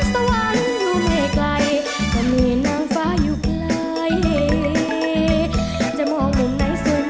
ผู้หญิงอะไรยังมองยังมีเสน่ห์